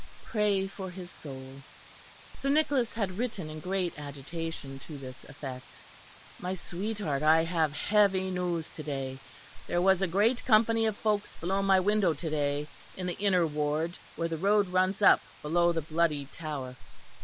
Pray for his soul." Sir Nicholas had written in great agitation to this effect. "My sweetheart, I have heavy news to day. There was a great company of folks below my window to day, in the Inner Ward, where the road runs up below the Bloody Tower.